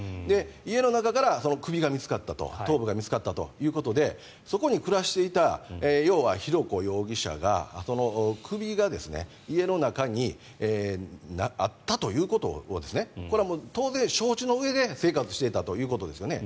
家の中から首が見つかった頭部が見つかったということでそこに暮らしていた要は、浩子容疑者が首が家の中にあったということをこれは当然、承知のうえで生活していたということですよね。